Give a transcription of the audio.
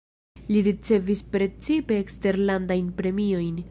Li ricevis precipe eksterlandajn premiojn.